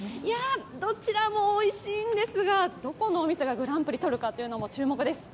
どこもおいしいんですがどこのお店がグランプリをとるのかも注目です。